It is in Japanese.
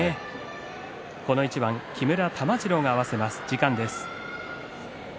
この一番木村玉治郎が合わせます。